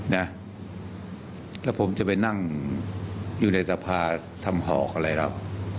เนี่ยแล้วผมจะไปนั่งอยู่ในสภาษณ์ทำหอกอะไรแล้ว